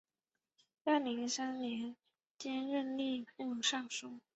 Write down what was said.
干宁三年兼任吏部尚书。